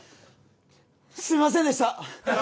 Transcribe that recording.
すいませんでした